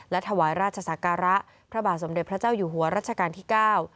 และถวายราชศักระพระบาทสมเด็จพระเจ้าอยู่หัวรัชกาลที่เก้า